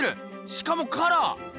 しかもカラー！